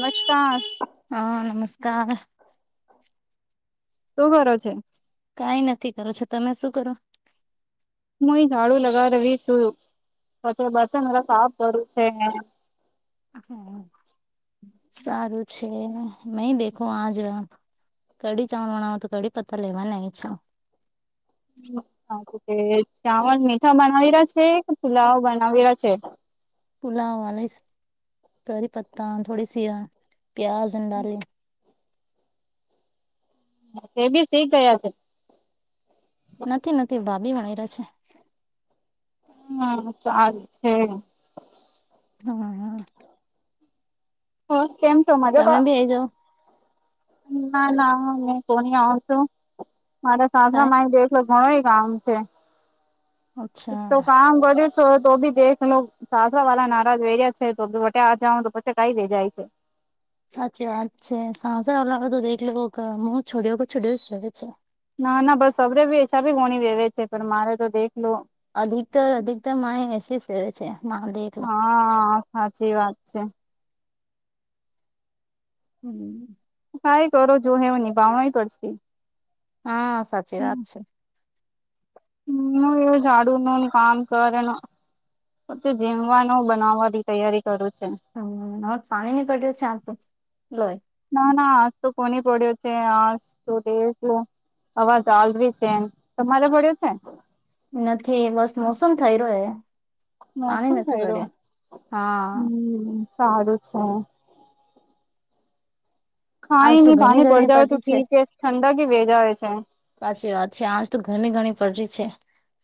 નમસ્કાર હહ નમસ્કાર શું કરો છે? કાઈ નથી કરો છો. તમે શું કરો? હું એ ઝાડુ લગા રહી છું પછી બરતન બધાં સાફ કરું છે. હહ સારું છે. મેં દેખો આજ કડી ચાવલ બનાવા તો કડી પત્તા લેવાને આઈ છું. હહ હારું તે ચાવલ મીઠા બનાવી રહ્યા છે કે પુલાવ બનાવી રહ્યા છે? પુલાવ આલીસ કરીપતા ને થોડી સી પ્યાજ અને ડાલે. એબી શીખ ગયા છે. નથી નથી ભાભી વણી રહે છે. હહ સારું છે. હહ હહ હહ કેમ છો તમે મજામાં? બી આઈ જાવ ના ના મે કોની આવો છો મારા સાસરા કાય માય દે ઈ તો ઘણુંય કામ છે. ઈ તો અચ્છા કામ કર્યું છો તોય બી દેશ લોગ સાસરા વાલા નારાજ હોઈ રયા છે તો બી અઠ્ઠે આ જાઉં તો પછી કાંઈ લઈ જાય છે. સાચી વાત છે. સાસરાવાલા ના તો દેખલો કા મોં છોડ્યો તો છોડ્યો જ રહે છે. ના ના બસ અવરે બી એછા ભી ગોણી રેવે છે પણ મારે તો દેખલો અધિકતર અધિકતરમાં એ એસી સેવે છે મા દેખલો હા સાચી વાત છે. હમ કાઈ કરો જોહે વો નિભાવાઈ પડશે. હા સાચી વાત છે. હમ ઝાડુ નહીં કામ કરે ન. પછું જીમવાનું બનાવવાની તૈયારી કરું છે. હમ હવે પાણી ની કઠે છાટતી ગઈ. ના ના આજ તો કોની પડ્યો છે આજ તો દેખલો અવાજ આલરી છે તમારે પડ્યો છે? નથી બસ મોસમ થઈ રો હે. પાણી મોસમ નથી થઈ રો. પડ્યા હા હમ સારું છે. ખાય આજ તો ની ઘણી પાની પડ ઘણી જાવે તો પડી છે ઠીક હે ઠંડક હી વે જાવે છે. કે સાચી વાત છે. આજ તો ઘણી ઘણી પરરી છે.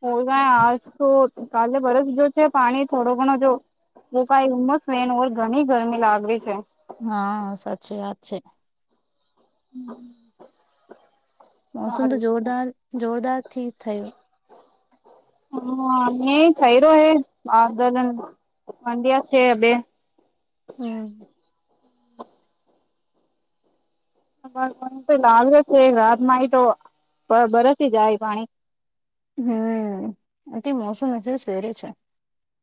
હોવે આજ તો કાલે બરસ ગયો છે પાણી થોડો ઘણો જો તો કાઈ ઉમસ વેન ઓવર ઘણી ગરમી લાગડી છે. હા સાચી વાત છે. હમ્મ. મોસમ તો જોરદાર જોરદાર થી થયો. હા નઈ ખઈ રહ્યો હે [inaudible] મંડ્યા છે બે હમ એમ તો લાલ જ છે રાતમાં હીતો બ બરસ જાય પાણી. હમ અઠે મોસમ એટલો સેરે છે.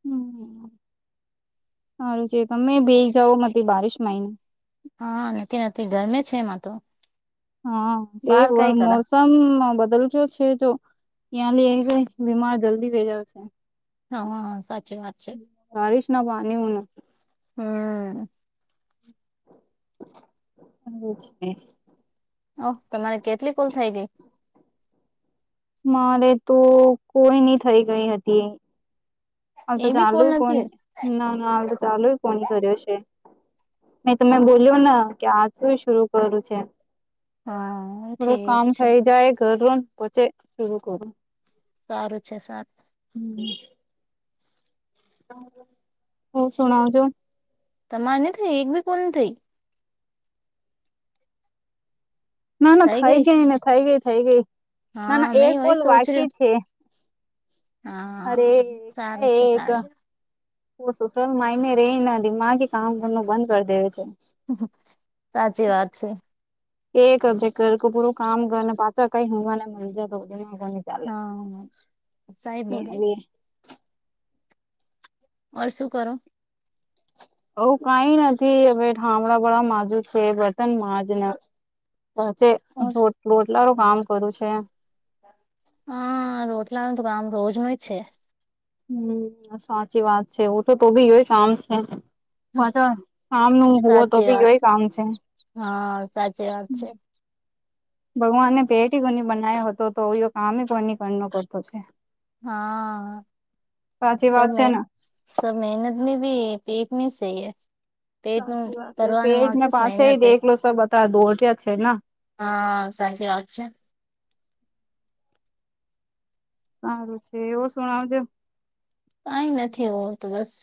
હમ હારું છે તમે બેઈ જાવ મટી બારિશ માંયને હા નથી નથી ગરમે છે એમાં તો. હા એક બહાર કઈ વન કરા મોસ મ બદલ્યો છે જો ત્યાં લ બીમાર જલ્દી વેજાય છે. હા સાચી વાત છે. સારીશ ના પાની હું ન. હમ હ છે. ઓ તમારે કેટલી કોલ થઈ ગઈ? મારે તો કોઈ ની થઇ ગઈ હતી. હાલ તો એ બી ચાલુ કોલ નથી કોની ના ના હાલ તો ચાલુ કોની કર્યો છે. મે તમે બોલ્યો ને કે આજ શર કરું છે હા થોડું ઠીક કામ છે થઈ જાય ઘર ર પછે શરું કરું. સારું છે સરારું છે. હમ્મ. હું શણઉ જો. તમારે નહીં રમતું એક ભી કોણ થઈ કોલ નહીં થઇ? ના ના થઈ ગઈ ને થઈ ગઈ થઈ ગઈ ના હા ના એ મેં હોય ઓલ સોચ રહ્યું વાકી છે. અરે હા સારું કઈ છે એક સારું સોશયલ માઇડ રહીને દિમાગી કામ કરનું બંધ કરી દેવે છે. સાચી વાત છે. એ કબજે કર પૂરું કામ કર ને પાછા કઈ હવાને મળી જતો. હા. ચાલે [unintelligible] ઓર શું કરો? એ કઈ નથી હવે હામણા ભળા માજુ છે બર્તન માંજ ને પછે ર રોટલાારું કામ કરું છે. હા રોટલાનું હતું ગામ રોજ નય છે. હમ્મ સાચી વાત છે ઓછું તો ભી હોય કામ છે. પછ આમ ન હોવો તો સાચી બી વાત ય કામ છે. હા સાચી વાત છે. ભગવાનને પેટ કોની બનાવ્યો હતો તો કામ કોની કર કરતો છે. હા સાચી વાત સમે છે ને સબ મહેનતની ભી પીટની સહી. પેટનું સાચી વાત છે કરવાનું પેટ માત્ર જ પાછા મહેનત હે દેખલો સબ બતા દોઢિયા ના. હા સાંચી વાત છે. સારું છે એવું શણાવજો. કઈ નથી હું તો બસ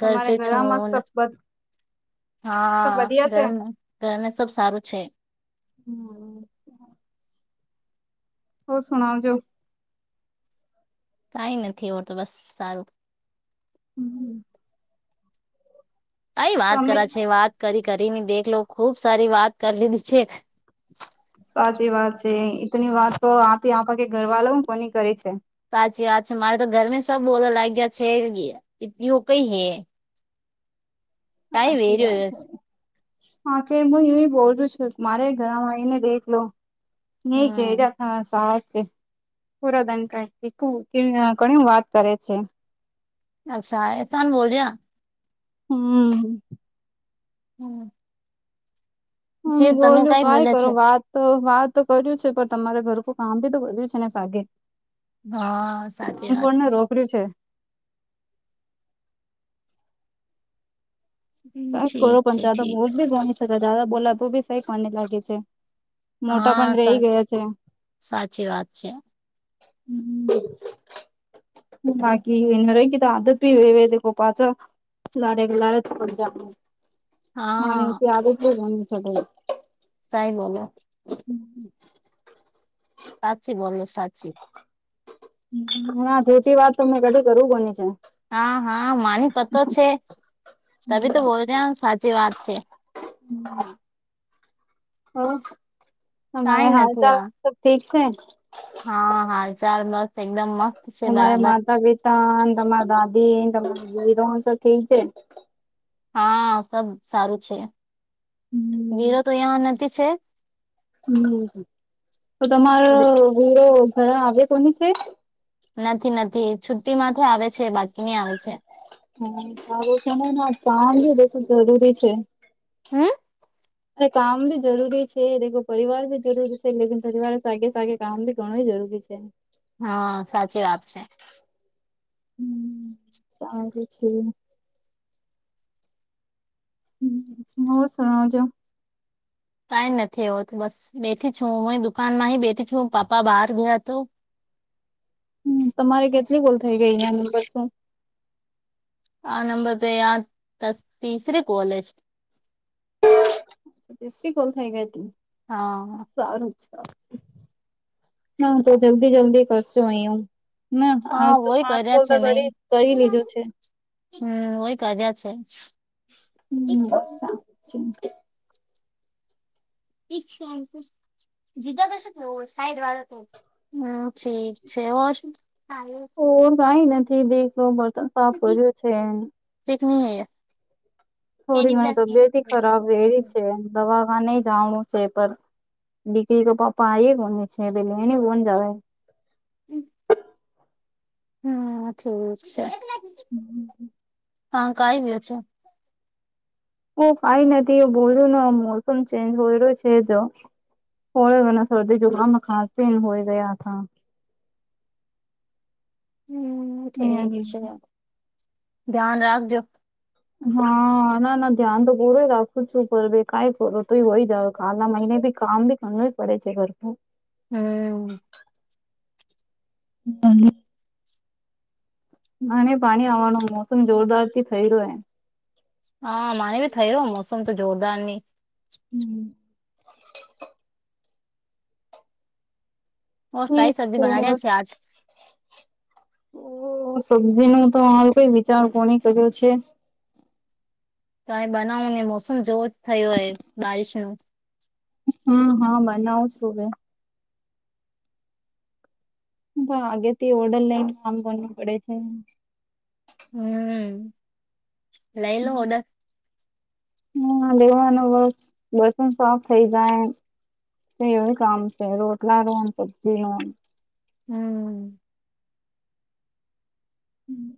તમારે ઘરમાં છું. સબ હા બધિયા છે ગરમ ગરમે સબ સારું છે. હમ્મ. ઓર સુના જો. કઈ નથી હોર તો બસ સારું. હમ્મ. આઈ વાત તમે કરા છે વાત કરી કરી ને દેખલો ખુબ સારી વાત કરી લીધી છે. સાચી વાત છે ઈતની વાતો આપી આપ કે ઘર વાળા હું કોની કરી છે. સાચી વાત છે. મારે તો ઘર સબ બોલવા લાઈગા છે એટલીવું કઈ હે. કઈ હાછી વાત વેર્યો છે. હા કે હું એ બોલું છું મારે ઘરમાં આવીઈને દેખલો ન [unintelligible] હમ [unintelligible] ગાડી વાત કરે છે. અચ્છા એહેસાન બોલ્યા? હમ્મ. હમ્મ. હા હું બોલું કઈ બોલે છે કરો વાત. તો વાત તો કર્યું છે પણ તમારે ઘરકૂટ કામ ભી તો કર્યું છે ને સાગે. હા સાચી વાત છે. કર્યું છે. હમ, કક કરો ઠીક પણ છે જાદા બ ઠીક બી બની શકદા જાડા બોલા તો બી સઈક કોને લાગે છે. મોટા હા પણ સા રહી ગયા છે. સાચી વાત છે હમ્મ. બાકી એને રઈ ગ્યું તો આદત ભી વ કો પાચ લારે ગ લાર પજા આપણું. અને હા તો આદત જ મન છે સાઈ બોલો. હમ્મ હમ્મ. સાચી, બોલો સાચી. હા ધોટી વાત તોમે કઢ કરું ઘની છે. હા હા માની પતો છે તભી તો બોલરી સાચી વાત છે. હમ્મ. ઓ તમારે કઈ હાલ નથી ચાલ આ સબ ઠીક છે? હા હાલ ચાલ બ તમારે માતા પિતા, ને તમારા દાદી, તમારી ભાઈરોણ સબ થીક છે? હા સબ સારું છે. વિરો તો હમ ઐયા નથી છે. હમ્મ, તો તમારો વીરો ઘરા આવે કોની છે? નથી નથી છુ્ટી માંથી આવે છે બાકી ની આવે છે. હા આવો સમયમાં [unintelligible] ખૂબ જરૂરી છે. હમ્મ? અરે કામ ભી જરૂરી છે દેખો પરિવાર ભી જરૂરી છે, લેકિન પરિવારગે સાગે સાગે કામ બી કોણે જરૂરી છે. હા સાચી વાત છે. હમ્મ સારું છે. હમ્મ ઓર સુણાવા જો. કઈ નથી આવ બસ બેથી છું હું એ દુકાન માં હે બેઠી છું, પાપા બાર ગયા તો હમ્મ તમારે કેટલી ગોલ થઈ ગઈ અં નંબર શું? આ નંબર પ યા દસ તીસરે કોલેજ. તીસરી કોલ થાય ગયા તી? હા. સારું છે ન તો જલ્દી જલ્દી કરશું અહીયા. ના હા આજ તો વહી પાંચ કોલતા કરી કરી લીજો છે. હમ્મ હું એ કર્યા છે. હમ્મ બર્ષા છે. ઈં જ તામ કૂષ. જીદા કશે સાઈડ વાળ તો હમ્મ ઠીક છે ઓ ઓ કઈ નથી દેખતો બર્તન સાફ ભર્યું છે. એકી ની હૈયા. થોડી ઘણી તબિયત ખરાબ વેલી છે દવાખાને જાણું છે પર દીકરી રો પાપા આઈએ ગોને છે પેલી એને કોણ જાવે. હમ્મ, ઠીક છે. હમ્મ હમ્મ. હા કઈ બી અચ્છા. હું ફાઈ નથી એ બોલ્યું મોસમ ચેન્જ હોયલો છે જો હોય ના સર્દી, જુકામ ને ખાસી હોય ગયા થા. હમ્મ, ઠીક છે ધ્યાન રાખજો. હા ના ના ધ્યાન તો પૂરો રાખું છું પર બે કાઈ ફ તો હોય કાલના મહિને ભી કામ બી એમણે પડે છે હરખું. હમ્મ. [inaudible] નાને ભાણયો આવાનું મોસમ જોરદારથી થય રહ્યો હે. હા માણે રો થયો મોસમ તો જોરદારની. હમ્મ. ઓર કાઈ ઠીક સબ્જી છે બનાવી રહ્યા છ આજ? ઓ સબ્જીમા તો હાલ કઈ વિચાર કોણી કર્યો છે. કાઈ બનાવું ને મોસમ જોવ જ થયો હે બારિશનુ. હમ્મ હા બનાવું છું અવે. તો આગેથી ઓડર લઈને કામ કરનુ પડે છે. હમ્મ, લઈ લવ ઓડર? હા લેવાનો બસ બસોન સાત થઈ જાહે. તે એવુંય કામ છે રોટલાનું ન સબ્જીનું. હમ્મ. હમ્મ.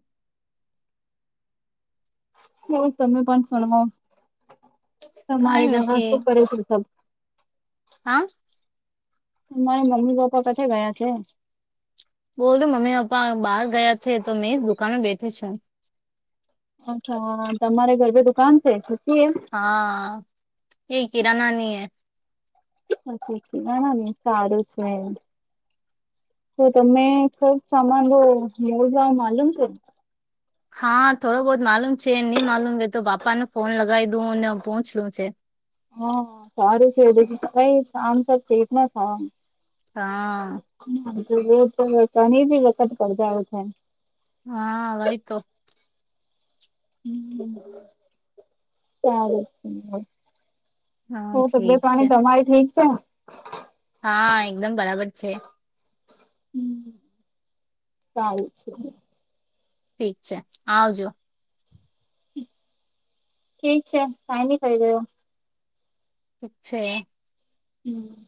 થોડુંક તમે પણ સુણવો કઈ તમારે ઘરે નથી શું પરિસ્થિતિ શે? હા મારા મમ્મી પપ્પા કશે ગયા છે. બોલ મમ્મી પપ્પા બહાર ગયા છે તો મેં જ દુકાને બેઠી છું. અચ્છા હ હ તમારે ઘર ભી દુકાન છે, ખુદકી હે? હા એય કિરાનાની હે. હા ખુદકી બનાવણી સારું છે. તો તમે થોડુંક સામાન લો [unintelligible] માલુમ છે? હા થોડો બહુત માલુમ છે, નહીં માલુમ વે તો પાપાને ફોન લગાઈ દઉ ને પૂછલુ જે. હા સારું છેે એ [unintelligible] કામ તો છેના. હા. હા જો [unintelligible] વખત [unintelligible] થાય. હા વહી તો. હમ્મ, સારું. હો હા ઠીક તબિયત છે પાણી તમારી ઠીક છે? હા, એકદમ બરાબર છે. હમ્મ, સારી છે. ઠીક છે આવજો. ઠીક છે કાઈ ની થય ગયું. ઠીક છે. હમ્મ.